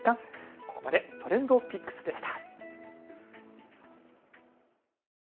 ここまでＴｒｅｎｄＰｉｃｋｓでした。